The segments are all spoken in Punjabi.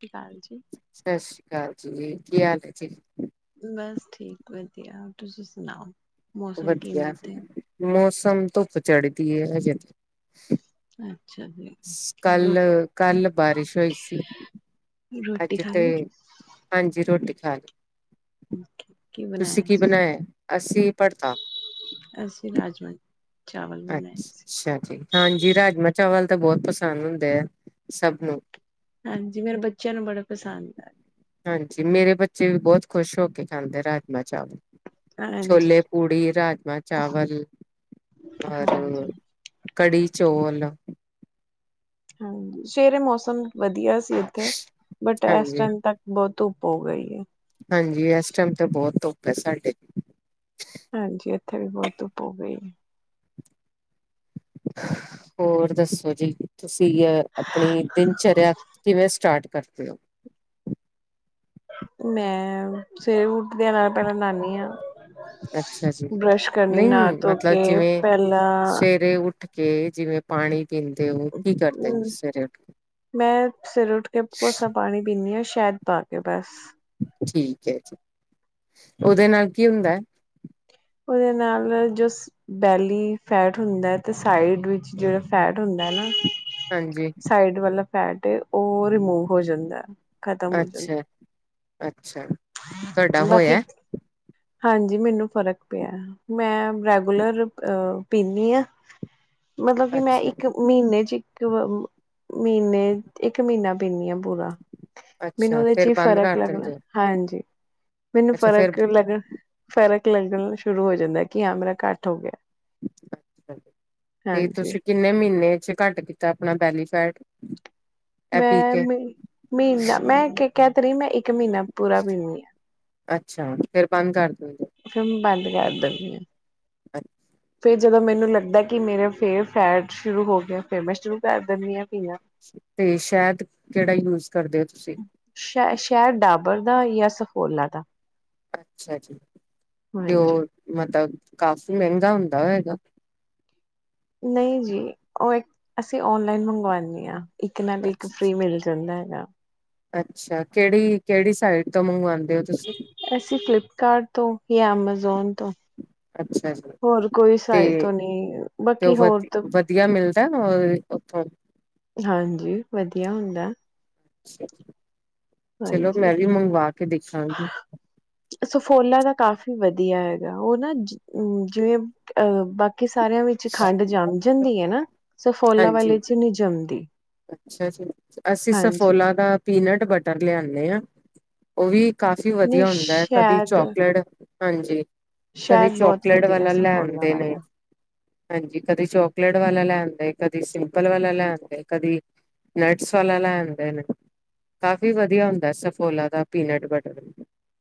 ਸਤਸ਼੍ਰੀ ਅਕਾਲ ਜੀ। ਸਤਿ ਸ੍ਰੀ ਅਕਾਲ ਜੀ, ਕੀ ਹਾਲ ਹੈ ਜੀ? ਬਸ ਠੀਕ ਹੈ, ਵਧੀਆ ਤੁਸੀਂ ਸੁਣਾਓ। ਮੌਸਮ ਕਿਵੇਂ ਵਧੀਆ, ਉੱਥੇ? ਮੌਸਮ ਧੁੱਪ ਚੜੀ ਹਜੇ ਤੇ। ਅੱਛਾ ਜੀ, ਰੋਟੀ ਕੱਲ-ਕੱਲ ਬਾਰਿਸ਼ ਹੋਈ ਸੀ, ਰੋਟੀ ਅੱਜ ਖਾ ਤੇ ਲਈ? ਹਾਂਜੀ ਰੋਟੀ ਖਾ ਲਈ। ਕੀ ਤੁਸੀਂ ਬਣਾਇਆ ਕੀ ਸੀ? ਬਣਾਇਆ ਅਸੀਂ ਭੜਥਾ ਅਸੀਂ ਰਾਜਮਾ ਅੱਛਾ ਜੀ, ਹਾਂਜੀ ਰਾਜਮਾਂ-ਚਾਵਲ। ਤਾਂ ਬਹੁਤ ਪਸੰਦ ਹੁੰਦੇਆ ਸਭ ਨੂੰ। ਹਾਂਜੀ, ਮੇਰੇ ਬੱਚਿਆਂ ਨੂੰ ਬੜਾ ਪਸੰਦਆ। ਹਾਂਜੀ, ਮੇਰੇ ਬੱਚੇ ਵੀ ਬਹੁਤ ਖੁਸ਼ ਹੋ ਕੇ ਖਾਂਦੇ ਰਾਜਮਾਂ- ਚਾਵਲ। ਹਾਂਜੀ, ਛੋਲੇ ਪੂੜੀ ਰਾਜਮਾਂ ਚਾਵਲ ਔਰ ਹਾਂਜੀ, ਕੜੀ ਚੋਲ। [unintelligible] ਹਾਂਜੀ ਸਵੇਰੇ ਮੌਸਮ ਵਧੀਆ ਇੱਥੇ ਬਟ ਇਸ ਹਾਂਜੀ ਟਾਈਮ ਤੱਕ ਬਹੁਤ ਧੁੱਪ ਹੋ ਗਈ ਹੈ ਹਾਂਜੀ ਇਸ ਟਾਈਮ ਤਾਂ [inaudible] ਹਾਂਜੀ ਇੱਥੇ ਵੀ ਬਹੁਤ ਧੁੱਪ ਹੋ ਗਈ ਆ। ਹੋਰ ਦੱਸੋ ਜੀ। ਤੁਸੀਂ ਅ ਆਪਣੀ ਦਿਨਚਰਿਆ ਕਿਵੇਂ ਸਟਾਰਟ [unintelligible] ਮੈਂ ਸਵੇਰੇ ਉੱਠ ਦੇਆ ਨਾਲ ਪਹਿਲਾਂ ਨਾਨੀ ਹਾਂ ਅੱਛਾ ਜੀ ਨਹੀਂ ਨਹਾ ਧੋ ਮਤਲਬ ਕੇ ਜਿਵੇਂ ਪਹਿਲਾਂ ਸਵੇਰੇ ਉੱਠ ਕੇ ਜਿਵੇਂ ਪਾਣੀ ਪੀਂਦੇ ਹੋ ਕੀ ਕਰਦੇ ਹੋ ਹਮ ਸਵੇਰੇ ਉੱਠ ਕੇ? ਮੈਂ ਸਰੇ ਉੱਠ ਕੇ ਕੋੋਸਾ ਪਾਣੀ ਪੀਦੀ ਹਾਂ ਸ਼ਾਹਿਦਦ ਪਾ ਕੇ ਬਸ ਠੀਕ ਹੈ ਜੀ ਉਹਦੇ ਨਾਲ ਕੀ ਹੁੰਦਾ ਹੈ। ਉਹਦੇ ਨਾਲ ਜੋ ਬੈਲੀ ਫੈਟ ਹੁੰਦਾ ਹੈ ਤੇ ਸਾਈਡ ਵਿੱਚ ਜਿਹੜਾ ਫੈਟ ਹੁੰਦਾ ਹੈ ਨਾ ਹਾਂਜੀ ਸਾਈਡ ਵਾਲਾ ਫੈਟ ਏ ਉਹ ਰਿਮੂਵ ਹੋ ਜਾਂਦਾ ਖਤਮ ਹੋ ਅੱਛਾ ਜਾਂਦਾ। ਅੱਛਾ ਤੁਹਾਡਾ ਬਾਕੀ ਹੋਇਆ? ਹਾਂਜੀ ਮੈਨੂੰ ਫ਼ਰਕ ਪਿਆ ਮੈਂ ਰੈਗੂਲਰ ਅਹ ਪੀਂਦੀ ਹਾਂ। ਮਤਲਬ ਕਿ ਮੈਂ ਅੱਛਾ ਇੱਕ ਮਹੀਨੇ ਚ ਹੀ ਕਿ ਮਹੀਨੇ ਇੱਕ ਮਹੀਨਾ ਪੀਂਦੀ ਆ ਪੂਰਾ ਮੈਨੂੰ ਅੱਛਾ ਉਹਦੇ ਚ ਫੇਰ ਹੀ ਬੰਦ ਫ਼ਰਕ ਕਰ ਲੱਗਣਾ ਦਿੰਦੇ ਹੋ ਹਾਂਜੀ। ਮੈਨੂੰ ਅੱਛਾ ਫੇਰ ਫ਼ਰਕ ਲੱਗ ਫਰਕ ਲੱਗਣ ਸ਼ੁਰੂ ਹੋ ਜਾਂਦਾ ਕਿ ਹਾਂ ਮੇਰਾ ਘੱਟ ਹੋ ਗਿਆ ਤੇ ਹਾਂਜੀ ਤੁਸੀਂ ਕਿੰਨੇ ਮਹੀਨੇ ਚ ਘੱਟ ਕੀਤਾ ਆਪਣਾ ਬੈਲੀ ਫੈਟ ਇਹ ਪੀ ਮੈਂ ਕੇ ਮ ਮਹੀਨਾ ਮੈਂ ਕਹਿ ਤ ਰਹੀ ਮੈਂ ਇੱਕ ਮਹੀਨਾ ਪੂਰਾ ਪੀਦੀ ਆ ਅੱਛਾ ਫੇਰ ਬੰਦ ਕਰ ਦਿਦੇ ਫੇਰ ਮੈਂ ਬੰਦ ਕਰ ਦਿੰਦੀ ਆ। ਅੱਛਾ ਜਦੋਂ ਮੈਨੂੰ ਲੱਗਦਾ ਕਿ ਮੇਰਾ ਫੇਰ ਫੈਟ ਸ਼ੁਰੂ ਹੋ ਗਿਆ ਫੇਰ ਮੈਂ ਸ਼ੁਰੂ ਕਰ ਦਿੰਦੀ ਹਾਂ ਪੀਣਾ ਤੇ ਸ਼ਹਿਦ ਕਿਹੜਾ ਯੂਜ ਕਰਦੇ ਹੋ ਤੁਸੀਂ ਬੋਲਨਾ ਥਾ ਅੱਛਾ ਜੀ, ਤੇ ਹਾਂਜੀ ਉਹ ਮਤ ਕਾਫੀ ਮਹਿੰਗਾ ਹੁੰਦਾ ਵੈਗਾ। ਨਈਂ ਜੀ। ਉਹ ਇੱਕ ਅਸੀਂ ਓਨਲਾਈਨ ਮੰਗਵਾਨੀ ਆਂ। ਇੱਕ ਨਾਲ ਇੱਕ ਅੱਛਾ ਫ੍ਰਰੀ ਮਿਲ ਜਾਂਦਾ ਹੈਗਾ। ਅੱਛਾ ਕਿਹੜੀ ਕਿਹੜੀ ਸਾਈਡ ਤੋਂ ਮੰਗਵਾਂ ਅਸੀਂ ਫਲਿੱਪਕਾਰਟ ਤੋਂ ਯਾਂ ਐਮੇਜ਼ੋਨ ਤੋਂ। ਅੱਛਾ ਜੀ ਹੋਰ ਕੋਈ ਸਾਈਟ ਤੇ ਤੋਂ ਨਹੀਂ ਬਾਕੀ ਹੋਰ ਤ [unintelligible] ਉਥੋਂ ਹਾਂਜੀ ਵਧੀਆ ਹੁੰਦਾ ਐ। ਅੱਛਾ। ਚਲੋ ਮੈਂ ਵੀ ਮੰਗਵਾ ਕੇ ਦੇਖਾਂਗੀ। ਸਫੋਲਾ ਦਾ ਕਾਫ਼ੀ ਵਧੀਆ ਹੈਗਾ। ਉਹ ਨਾ ਜ-ਜਿਵੇਂ ਅਹ ਬਾਕੀ ਕੀ ਸਾਰਿਆਂ ਵਿੱਚ ਖੰਡ ਜੰਮ ਜਾਂਦੀ ਐ ਨਾ ਸਫੋਲਾ ਹਾਂਜੀ। ਵਾਲੇ ਚ ਨਹੀਂ ਜਮਦੀ। ਅੱਛਾ ਜੀ। ਅਸੀਂ ਸਫੋਲਾ ਦਾ ਪੀਨਟ ਬਟਰ ਲਿਆਨੇ ਆ। ਉਹ ਵੀ ਕਾਫੀ ਨਹੀਂ ਵਧੀਆ ਹੁੰਦਾ ਐ, ਕਦੀ ਸ਼ਾਇਦ ਚੋਕਲੇਟ ਹਾਂਜੀ। ਕਦੇ ਸ਼ਾਇਦ ਬਹੁਤ ਚੋਕਲੇਟ ਵਧੀਆ ਵਾਲਾ ਸਫੋਲਾ ਲੈਣਦੇ ਨੇ। ਵਾਲਾ ਹਾਂਜੀ, ਕਦੀ ਚੋਕਲੇਟ ਵਾਲਾ ਲੈ ਆਂਦੇ, ਕਦੀ ਸਿੰਪਲ ਵਾਲਾ ਲੈ ਆਂਦੇ। ਕਦੀ ਨਟਸ ਵਾਲਾ ਲੈ ਆਉਂਦੇ ਨੇ। ਕਾਫੀ ਵਧੀਆ ਹੁੰਦੈ, ਸਫੋਲਾ ਦਾ ਪੀਨਟ ਬਟਰ।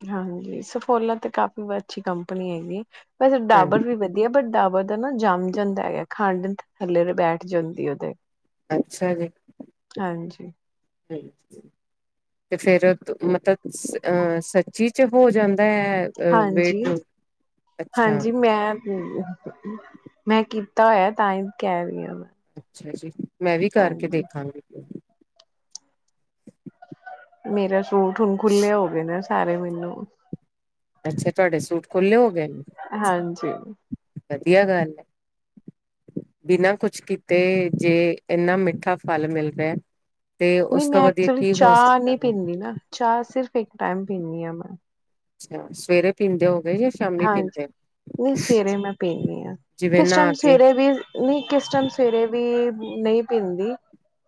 ਹਾਂਜੀ ਸਫੋਲਾ ਤੇ ਕਾਫੀ ਵ ਅੱਛੀ ਕੰਪਨੀ ਹੈਗੀ। ਵੈਸੇ ਡਾਬਰ ਹਾਂਜੀ ਵੀ ਵਧੀਆ, ਬਟ ਡਾਬਰ ਦਾ ਨਾ ਜੰਮ ਜਾਂਦਾ ਹੈਗਾ। ਖੰਡ ਥੱਲੇ ਤੇ ਬੈਠ ਜਾਂਦੀ ਓਦੇ। ਅੱਛਾ ਜੀ। ਹਾਂਜੀ। ਤੇ ਫੇਰ ਤ ਮਤਲਬ ਸ ਅਹ ਸੱਚੀ ਚ ਹੋ ਜਾਂਦ ਹਾਂਜੀ, ਅੱਛਾ ਹਾਂਜੀ ਮੈਂ ਅ-ਹਅ ਮੈਂ ਕੀਤ ਤਾ ਹੋਇਆ, ਤਾਂ ਈ ਕਹਿ ਰੀ ਆਂ ਮੈਂ। ਅੱਛਾ ਜੀ। ਮੈਂ ਵੀ ਕਰਕੇ ਹਾਂਜੀ ਦੇਖਾਂਗੀ। ਮੇਰਾ ਸ਼ ਸੂਟ ਹੁਣ ਖੁੱਲ੍ਹੇ ਹੋ ਗਏ ਨੇ। ਸਾਰੇ ਮੈਨੂੰ ਅੱਛਾ। ਤੁਹਾਡੇ ਸੂਟ ਖੁੱਲ੍ਹੇ ਹੋ ਗਏ ਨੇ। ਹਾਂਜੀ ਵਧੀਆ ਗੱਲ ਹੈ, ਬਿਨਾਂ ਕੁਛ ਕੀਤੇ ਜੇ ਇਨਾ ਮਿੱਠਾ ਫਲ ਮਿਲ ਰਿਹਾ। ਤੇ ਨਹੀਂ, ਉਸ ਮੈਂ ਤੋਂ ਵਧੀਆ ਐਕਚੁਲੀ ਕੀ ਹੋ ਚਾਹ ਸਕਦਾ ਨਹੀਂ ਹੈ ਪੀਂਦੀ ਨਾ, ਚਾਹ ਸਿਰਫ ਇੱਕ ਟਾਈਮ। ਪੀਣੀ ਆ ਮੈਂ ਅੱਛਾ ਸਵੇਰੇ ਪੀਂਦੇ ਹੋ? ਗਏ ਜਾਂ ਸ਼ਾਮੀ ਹਾਂਜੀ, ਪੀਂਦੇ ਹੋ ਨਹੀਂ ਸਵੇਰੇ ਮੈਂ ਪੀਂਦੀ ਹਾਂ। ਜਿਵੇਂ ਕਿਸ ਨਹਾ ਟਾਈਮ ਕੇ ਸਵੇਰੇ ਵੀ ਨਹੀਂ, ਕਿਸ ਟਾਈਮ ਸਵੇਰੇ ਵੀ। ਨਹੀਂ ਪੀਂਦੀ।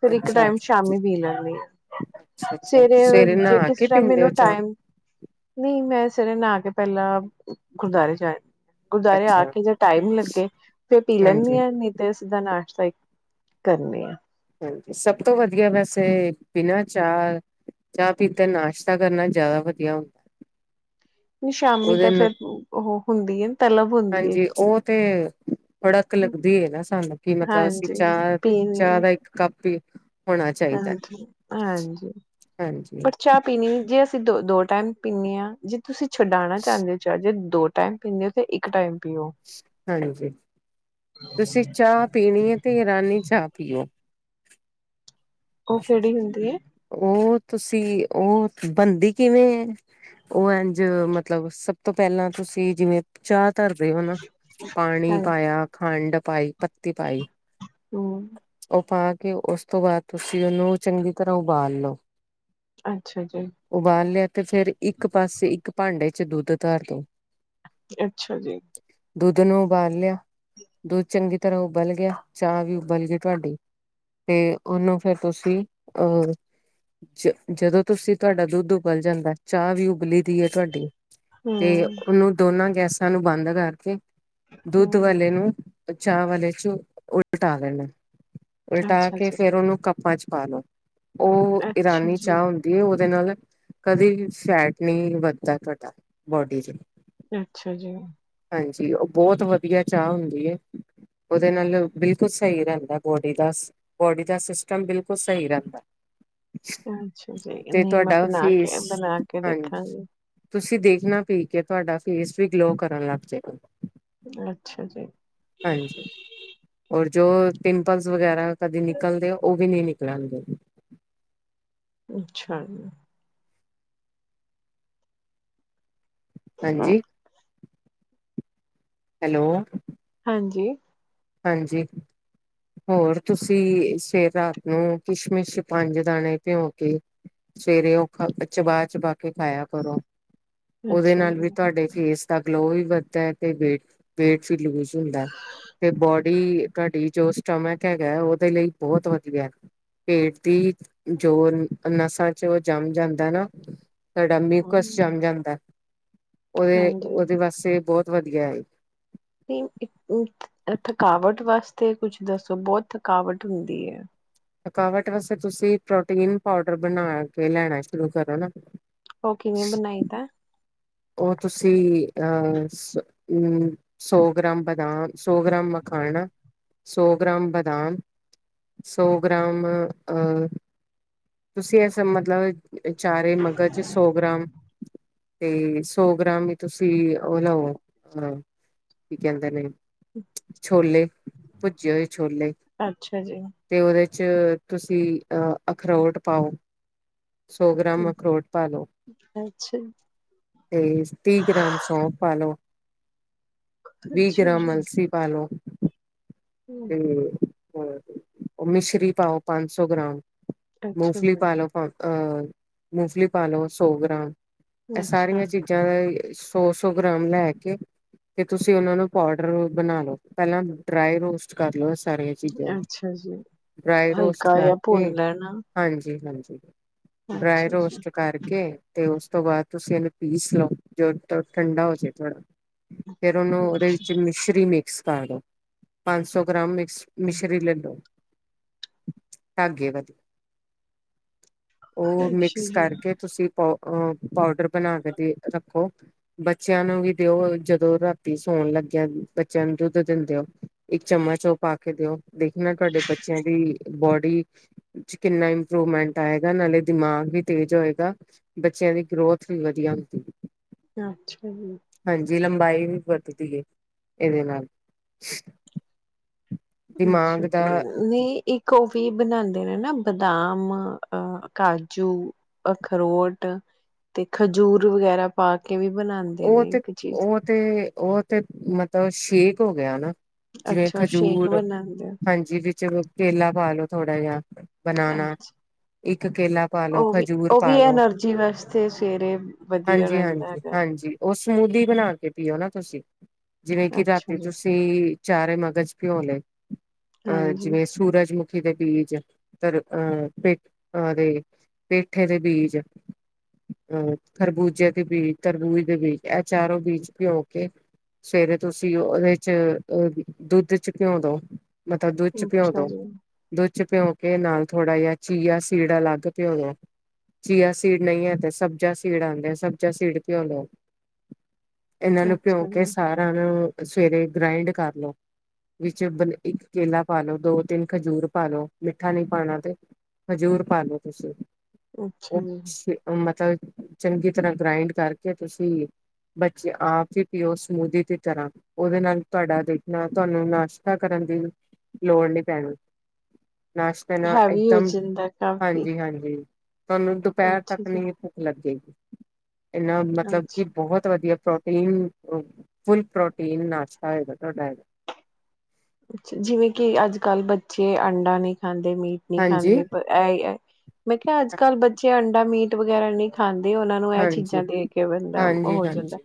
ਫਿਰ ਇੱਕ ਅੱਛਾ ਟਾਈਮ ਸ਼ਾਮੀ ਪੀ ਲੈਣੀਆਂ, ਅੱਛਾ ਅੱਛਾ ਸਵੇਰੇ ਜੇ ਨਹਾ ਕੇ ਕਿਸੇ ਟਾਈਮ ਪੀਂਦੇ ਹੋ ਮੈਨੂੰ ਚਾਹ ਟਾਈਮ ਨਹੀਂ ਮੈਂ ਸਵੇਰੇ ਨਾ ਕੇ ਪਹਿਲਾਂ ਗੁਰਦੁਆਰੇ ਚ ਆਏ ਗੁਰਦੁਆਰੇ ਆ ਅੱਛਾ ਕੇ ਜੇ ਟਾਈਮ ਲੱਗੇ, ਫਿਰ ਪੀ ਹਾਂਜੀ ਲੈਣੀਆਂ ਨਹੀਂ ਤੇ ਸਿੱਧਾਂ ਨਾਸ਼ ਸਹੀ ਕਰਨੀ ਆ। ਹਾਂ, ਸਭ ਤੋਂ ਵਧੀਆ ਵੈਸੇ ਬਿਨਾਂ ਚਾਹ, ਚਾਹ ਪੀਤੇ ਨਾਸ਼ਤਾ ਕਰਨਾ ਜ਼ਿਆਦਾ ਵਧੀਆ ਹੁੰਦਾ। ਨਹੀਂ ਸ਼ਾਮੀ ਉਹਦੇ ਤਾਂ ਨਾਲ ਫਿਰ ਉਹ ਹੁੰਦੀ ਹੈ ਤਲਬ ਹੁੰਦੀ ਹਾਂਜੀ, ਹੈ ਉਹ ਤੇ ਫੜਕ ਲੱਗਦੀ ਹੈ, ਨਾ ਸਾਨੂੰ ਕਿ ਮਤਲਬ ਅਸੀਂ ਹਾਂਜੀ ਚਾਹ ਪੀਣੀ ਚਾਹ ਹੈ। ਦਾ ਇੱਕ ਕੱਪ ਹੀ ਹੋਣਾ ਚਾਹੀਦਾ ਹਾਂਜੀ, ਹਾਂਜੀ ਹਾਂਜੀ ਬਟ ਚਾਹ ਪੀਣੀ ਜੇ ਅਸੀਂ ਦੋ ਦੋ ਟਾਈਮ ਪੀਂਦੇ ਹਾਂ ਜ ਤੁਸੀਂ ਛੁਡਾਉਣਾ ਚਾਹੁੰਦੇ ਹੋ ਚ ਜ ਦੋ ਟਾਈਮ ਪੀਂਦੇ ਹੋ ਕੇ ਇੱਕ ਟਾਈਮ। ਪੀਓ ਹਾਂਜੀ, ਤੁਸੀਂ ਚਾਹ ਪੀਣੀ ਹੈ ਤੇ ਇਰਾਨੀ ਚਾਹ ਪੀਓ। ਉਹ ਕਿਹੜੀ ਹੁੰਦੀ ਹੈ। ਉਹ ਤੁਸੀਂ ਉਹ ਬੰਦੀ ਕਿਵੇਂ ਐ, ਉਹ ਇੰਝ ਮਤਲਬ ਸਭ ਤੋਂ ਪਹਿਲਾਂ ਤੁਸੀਂ ਜਿਵੇਂ ਚਾਹ ਧਰਦੇ ਹੋ ਨਾ, ਪਾਣੀ ਹਾਂਜੀ ਪਾਇਆ ਖੰਡ ਪਾਈ ਪੱਤੀ ਪਾਈ ਹਮ ਉਹ ਪਾ ਕੇ ਉਸ ਤੋਂ ਬਾਅਦ ਤੁਸੀਂ ਉਹਨੂੰ ਚੰਗੀ ਤਰ੍ਹਾਂ ਉਬਾਲ ਲੋ। ਅੱਛਾ ਜੀ ਉਬਾਲ ਲਿਆ ਤੇ ਫੇਿਰ ਇੱਕ ਪਾਸੇ ਇੱਕ ਭਾਂਡੇ ਚ ਚ ਦੁੱਧ ਧਾਰ ਤੋਂ। ਅੱਛਾ ਜੀ ਦੁੱਧ ਨੂੰ ਉਬਾਲ ਲਿਓ ਦੁੱਧ ਚੰਗੀ ਤਰ੍ਹਾਂ ਉਬਲ ਗਿਆ ਚਾਹ ਵੀ ਉਬਲ ਗਈ ਤੁਹਾਡੀ ਤੇ ਉਹਨੂੰ ਫੇਿਰ ਤੁਸੀਂ ਅਹ ਜ ਜਦੋਂ ਤੁਸੀਂ ਤੁਹਾਡਾ ਦੁੱਧ ਉਬਲ ਜਾਂਦਾ, ਚਾਹ ਵੀ ਉਬਲੀ ਦੀ ਹੈ ਤੁਹਾਡੀ। ਤੇ ਹਮ ਉਹਨੂੰ ਦੋਨਾਂ ਗੈਸ। ਨੂੰ ਬੰਦ ਰੱਖ ਕੇ। ਦੁੱਧ ਹਮ ਵਾਲੇ ਨੂੰ ਚਾ ਵਾਲੇ ਚੋਂ ਉਲਟਾ ਦੇਣਾ। ਉਲਟਾ ਕੇ ਅੱਛਾ-ਅੱਛਾ। ਫੇਰ ਉਹਨੂੰ ਕੱਪਾਂ ਚ ਪਾ ਲੋੋ। ਉਹ ਅੱਛਾ ਇਰਾਨੀ ਜੀ ਚਾਹ ਹੁੰਦੀ ਹੈ, ਉਹ ਨਾਲ ਕਦੇ ਵੀ ਫੈਟ ਨਹੀਂ ਵੱਧਦਾ ਤੁਹਾਡਾ ਬੋਡ ਅੱਛਾ ਜੀ। ਹਾਂਜੀ, ਉਹ ਬਹੁਤ ਵਧੀਆ ਚਾਹ ਹੁੰਦੀ ਹੈ। ਉਹਦੇ ਨਾਲ ਬਿਲਕੁਲ ਸਹੀ ਰਹਿੰਦਾ ਗੋਡੀ ਦਾ ਬੋਡੀ ਦਾ ਸਿਸਟਮ ਬਿਲਕੁਲ ਸਹੀ ਰਹਿੰਦਾ। ਅੱਛਾ ਜੀ, ਤੇ ਨਹੀਂ ਮੈਂ ਤੁਹਾਡਾ ਬਣਾ ਫੇਸ ਕੇ ਬਣਾ ਕੇ ਹਾਂਜੀ ਦੇਖਾਂਗੀ। ਤੁਸੀਂ ਦੇਖਣਾ ਪੀ ਕੇ ਤੁਹਾਡਾ ਫੇਸ ਵੀ ਗਲੋ ਕਰਨ ਲੱਗ ਜਾਏਗਾ। ਅੱਛਾ ਜੀ। ਹਾਂਜੀ, ਹੋਰ ਜੋ ਪਿੰਪਲਸ ਵਗੈਰਾ ਕਦੇ ਨਿਕਲਦੇ ਉਹ ਵੀ ਨੀ ਨਿਕ ਰਹਿੰਦੋ ਅੱਛਾ ਜੀ। ਹਾਂਜੀ। ਹੈਲੋ। ਹਾਂਜੀ। ਹਾਂਜੀ, ਹੋਰ ਤੁਸੀਂ ਸ ਰਾਤ ਨੂੰ ਕਿਸ਼ਮਿਸ਼ ਪੰਜ ਦਾਣੇ ਭਿਉ ਕੇ ਸਵੇਰੇ ਉਹ ਖਾ ਚਬਾ ਚਬਾ ਕੇ ਖਾਇਆ ਕਰੋ। ਉਹਦੇ ਅੱਛਾ ਨਾਲ ਜੀ। ਵੀ ਤੁਹਾਡੇ ਫੇਸ ਤਾਂ ਗਲੋ ਵੀ ਵੱਧਦਾ ਹੈ ਤੇ ਵੇਟ ਵੇਟ ਵੀ ਲੂਜ ਹੁੰਦਾ। ਤੇ ਬੋਡੀ ਤੁਹਾਡੀ ਜੋ ਸਟਮਿਕ ਹੈਗਾ ਉਹਦੇ ਲਈ ਬਹੁਤ ਵਧੀਆ, ਪੇਟ ਦੀ ਜੋ ਨਸ਼ਾਂ ਚ ਉਹ ਜੰਮ ਜਾਂਦਾ ਨਾ ਤੁਹਾਡਾ ਮਿਊਕਸ ਹੂੰ, ਜਮ ਜਾਂਦਾ। ਉਹਦੇ, ਹਾਂਜੀ ਉਹਦੇ ਵਾਸਤੇ ਬਹੁਤ ਵਧੀਆ। ਥਕਾਵਟ ਵਾਸਤੇ ਕੁਛ ਦੱਸੋ ਬਹੁਤ ਥਕਾਵਟ ਹੁੰਦੀ ਏ? ਥਕਾਵਟ ਵਾਸਤੇ ਤੁਸੀਂ ਪ੍ਰੋਟੀਨ ਪਾਊਡਰ ਬਣਾ ਕੇ ਲੈਣਾ ਸ਼ੁਰੂ ਕਰੋ ਨਾ। ਉਹ ਕਿਵੇਂ ਬਣਾਈ ਦਾ ਉਹ ਤੁਸੀਂ ਅਹ ਸੌ ਗ੍ਰਾਮ ਬਦਾਮ ਸੌ ਗ੍ਰਾਮ ਮਖਾਣਾ ਸੌ ਗ੍ਰਾਮ ਬਦਾਮ ਸੌ ਗ੍ਰਾਮ ਅਹ ਤੁਸੀਂ ਇਸ ਮਤਲਬ ਚਾਰੇ ਮਗਜ਼ ਸੌ ਗ੍ਰਾਮ ਤੇ ਸੌ ਗ੍ਰਾਮ ਹੀ ਤੁਸੀਂ ਨਾ ਉਹ ਹੋ [unintelligible] ਕੀ ਕੇਦੇ ਨੇੇ ਛੋਲੇ। ਪੁਜੇ਼ ਹੋੲ। ਛੋਲੇ ਅੱਛਾ ਜੀ, ਤੇ ਔਹਦੇ ਚ ਤੁਸੀਂ ਅ ਅਖਰੋਟ ਪਾਓ। ਸੌ ਗ੍ਰਾਮ ਅਖਰੋਟ ਪਾ ਲਓ। ਅੱਛਾ, ਅੱਛਾ ਤੇ ਤ੍ਰੀ ਗ੍ਰਾਮ ਸੌਂਪ ਪਾ ਲੋ। ਵੀਹ ਗ੍ਰਾਮ ਜੀ। ਅਲਸੀ ਪਾ ਲੋ। ਹਮ ਉਹ ਮਿਸ਼ਰੀ ਪਾਓ ਪੰਜ ਸੌ ਗ੍ਰਾਮ। ਅੱਛਾ ਮੂੰਫਲੀ ਜੀ, ਪਾਲੋ ਪਾ ਅ ਮੂੰਫਲੀ ਪਾਲੋ ਸੌ ਗ੍ਰਾਮ। ਇਹ ਅੱਛਾ। ਸਾਰੀਆਂ ਚੀਜ਼ਾਂ ਸੌ, ਸੌ ਗ੍ਰਾਮ ਲੈ ਕੇ, ਤੇ ਤੁਸੀਂ ਉਹਨਾ ਨੂੰ ਪਾਊਡਰ ਬਣਾ ਲੋ ਪਹਿਲਾਂ ਡਰਾਈ ਰੋਸਟ ਕਰ ਲੋ ਸਾਰੀਆਂ ਚੀਜ਼ਾਂ ਨੂੰ, ਅੱਛਾ ਜੀ। ਡਰਾਈ ਰੋਸਟ ਹਲਕਾ ਜਾ ਭੁੰਨ ਕਰਕੇ ਲੈਣਾ, ਹਾਂਜੀ, ਹਾਂਜੀ। [inaudible] ਡਰਾਈ ਅੱਛਾ ਜੀ, ਰੋਸਟ ਕਰਕੇ ਤੇ ਉਸ ਤੋਂ ਬਾਅਦ ਤੁਸੀਂ ਇਹਨੂੰ ਪੀਸ ਲਓ, ਜੋ ਠੰਡਾ ਹੋਜੇ ਥੋੜਾ। ਫੇਰ ਉਹਨੂੰ ਉਹਦੇ ਵਿੱਚ ਮਿਸ਼ਰੀ ਮਿਕਸ ਪਾ ਦੋ ਪੰਜ ਸੌ ਗ੍ਰਾਮ ਮੇਥ ਮਿਸ਼ਰੀ ਲੇ ਲੋ ਧਾਗੇ ਵਧੀਆ ਅੱਛਾ ਉ ਮਿਕਸ ਜੀ, ਕਰਕੇ ਤੁਸੀਂ ਪੋ ਪਾਊਡਰ ਬਣਾ ਕੇ ਦੇ ਰੱਖੋ ਬੱਚਿਆਂ ਨੂੰ ਵੀ ਦਿਓ ਜਦੋਂ ਰਾਤੀ ਸੋਣ ਲੱਗਿਆ ਬੱਚਿਆਂ ਨੂੰ ਦੁੱਧ ਦਿੰਦੇ ਹੋ ਇੱਕ ਚਮਚ ਪਾ ਕੇ ਦਿਓ ਦੇਖਣਾ ਤੁਹਾਡੇ ਬੱਚਿਆਂ ਦੀ ਬੋਡੀ ਚ ਕਿੰਨਾ ਇੰਪਰੂਵਮੈਂਟ ਆਏਗਾ ਨਾਲੇ ਦਿਮਾਗ ਵੀ ਤੇਜ਼ ਹੋਏਗਾ ਬੱਚਿਆਂ ਦੀ ਗਰੋਥ ਵਧੀਆ ਹੁੰਦੀ ਹੈ ਅੱਛਾ ਜੀ ਲੰਬਾਈ ਵੀ ਵਧਦੀ ਹ ਇਹਦੇ ਨਾਲ ਅੱਛਾ ਦਿਮਾਗ ਜੀ ਦਾ ਨੀ ਇੱਕ ਇਹ ਬਣਾਉਦੇ ਨੇ ਨਾ ਬਦਾਮ ਅ ਕਾਜੂ ਅਖਰੋਟ ਤੇ ਖਜੂਰ ਵਗੈਰਾ ਪਾ ਕੇ ਕਿਵੇਂ ਬਣਾਉਂਦੇ ਉਹ ਨੇ ਤੇ ਇੱਕ ਚੀਜ਼ ਉਹ ਤੇ ਉਹ ਤੇ ਮਤਲਬ ਸ਼ੇਕ ਹੋ ਗਿਆਾ ਨਾ ਜਿਵੇਂ ਅੱਛਾ ਸ਼ੇਕ ਖਜੂਰ ਬਣਾਉਂਦੇ ਹਾਂਜੀ ਵਿੱਚ ਕੇਲਾ ਪਾ ਲੋੋ ਥੋੜਾ ਜਿਹਾ ਬਨਾਨਾ ਅੱਛਾ ਇੱਕ ਕੇਲਾ ਪਾ ਲੋ ਉਹ ਵੀ ਖਜੂਰ ਉਹ ਪਾ ਵੀ ਲੋ ਐਨਰਜੀ ਵਾਸਤੇ ਸਵੇਰੇ ਵਧੀਆ ਰਹਿੰਦਾ ਹੈਗਾ ਜੀ ਉਹ ਸਮੂਦੀ ਬਣਾ ਕੇ ਪੀਓ ਨਾ ਤੁਸੀਂ ਜਿਵੇਂ ਕੀ ਅੱਛਾ ਰਾਤੀ ਜੀ ਤੁਸੀਂ ਚਾਰੇ ਮਗਜ਼ ਭਿਉਣ ਲਈ ਆ ਹਾਂਜੀ ਜਿਵੇਂ ਸੂਰਜਮੁਖ ਪਾਪੀਤੇ ਦੇ ਬੀਜ ਤਰ ਅਹਹ ਦੇ ਪੇਠੇ ਦੇ ਬੀਜ ਅਹ ਖਰਬੂਜੇ ਦੇ ਬੀਜ ਤਰਬੂਜ ਦੇ ਬੀਜ ਇਹ ਚਾਰੋਂ ਬੀਜ ਪਿਉ ਕੇ ਸਵੇਰੇ ਤੁਸੀਂ ਉਹਦੇ ਚੋ ਦੁੱਧ ਚ ਘਿਉਂ ਦਉ ਮਤਲਬ ਦੁੱਧ ਚ ਪਿਉਂ ਅੱਛਾ ਲੋ ਜੀ ਦੁੱਧ ਚ ਪਿਉ ਨਾਲ ਥੋੜ੍ਹਾ ਜਿਹਾ ਚੀਆ ਸੀਡ ਅਲੱਗ ਪਿਓ ਚੀਆ ਸੀਡ ਨਹੀਂ ਹੈ ਤੇ ਸਬਜ਼ਾ ਸੀਡ ਆਉਂਦੇ ਸਬਜ਼ਾ ਸੀਡ ਪਿਉਂ ਲੋ ਇਹਨਾਂ ਨੂੰ ਭਿਉਂ ਅੱਛਾ ਕੇ ਜੀ ਸਾਰਿਆਂ ਨੂੰ ਸਵੇਰੇ ਗਰਾਇੰਡ ਕਰ ਲੋ ਵਿੱਚ ਬ ਇੱਕ ਕੇਲਾ ਪਾ ਲਓ ਦੋ ਤਿੰਨ ਖਜੂਰ ਪਾ ਲਓ ਮਿੱਠਾ ਨਹੀਂ ਪਾਉਣਾ ਤੇ ਖਜੂਰ ਪਾ ਲੋ ਤੁਸੀਂ ਉਹ ਅੱਛਾ ਜੀ ਸੀ ਮਤਲਬ ਚੰਗੀ ਤਰ੍ਹਾਂ ਗਰਾਇੰਡ ਕਰ ਕੇ ਤੁਸੀਂ ਬੱਚੇ ਆਪ ਹੀ ਪੀਓ ਸਮੂਦੀ ਦੀ ਤਰ੍ਹਾਂ ਉਹਦੇ ਨਾਲ ਤੁਹਾਡਾ ਦੇਖਣਾ ਤੁਹਾਨੂੰ ਨਾਸ਼ਤਾ ਕਰਨ ਦੀ ਲੋੜ ਨਹੀਂ ਪੈਣੀ ਨਾਸ਼ਤਾ ਨਾਲ ਇੱਕ ਹੈਵੀ ਹੋ ਦਮ ਜਾਂਦਾ ਕਾਫੀ ਹਾਂਜੀ ਹਾਂਜੀ ਤੁਹਾਨੂੰ ਦੁਪਹਿਰ ਅੱਛਾ ਤੱਕ ਜੀ ਨਹੀਂ ਭੁੱਖ ਲੱਗੇਗੀ ਇਨਾ ਮਤਲਬ ਅੱਛਾ ਕਿ, ਬਹੁਤ ਵਧੀਆ। ਪ੍ਰੋਟੀਨ ਫੁੱਲ ਪ੍ਰੋਟੀਨ ਨਾਸ਼ ਇਹਗਾ ਤੁਹਾਡਾ ਅੱ ਜਿਵੇਂ ਕਿ ਅੱਜ ਕੱਲ੍ਹ ਬੱਚੇ ਅੰਡਾਂ ਨੇ ਖਾਂਦੇ ਮੀਟ ਨਹੀਂ ਖਾਂਦੇ ਪਰ ਇਹ ਮੈਂ ਕਿਹਾ ਅੱਜ ਕੱਲ ਬੱਚੇ ਅੰਡਾ ਮੀਟ ਵਗੈਰਾ ਨਹੀਂ ਖਾਂਦੇ। ਉਹਨਾ ਨੂੰ ਇਹ ਹਾਂਜੀ-ਹਾਂਜੀ, ਚੀਜ਼ਾਂ ਦੇ ਕੇ ਬੰਦਾ ਉਹ ਹੋ ਜਾਂਦਾ। ਹਾਂਜੀ-ਹਾਂਜੀ,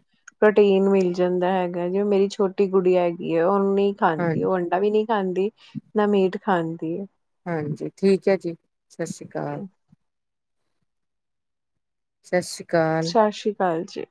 ਟੀਨ ਮਿਲ ਜਾਂਦਾ ਹੈਗਾ ਜੋ ਮੇਰੀ ਛੋਟੀ ਗੁੜਿਆ ਹੈਗੀ ਹੈ ਉਹੂੰ ਖਾਨ ਹਾਂ [unintelligible] ਉਹ ਅੰਡਾ ਵੀ ਨਹੀਂ ਖਾਂਦੀ। ਨਾ ਮੀਟ ਖਾਣ ਦੀ ਹਾਂਜੀ ਠੀਕ ਹੈ ਜੀ ਸਤਿ ਸ਼੍ਰੀ ਅਕਾਲ ਸਤਿ ਸ਼੍ਰੀ ਅਕਾਲ। ਸਤਿ ਸ੍ਰੀ ਅਕਾਲ ਜੀ